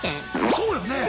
そうよね！